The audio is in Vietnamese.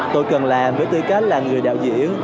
tôi cần làm với tư cách là người đạo diễn